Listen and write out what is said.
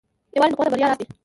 یووالی د قوت او بریا راز دی.